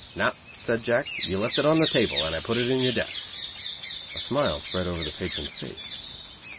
"No," said Jack, "you left it on the table, and I put it in your desk." A smile spread over the patron's face.